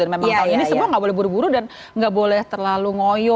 memang tahun ini semua nggak boleh buru buru dan nggak boleh terlalu ngoyo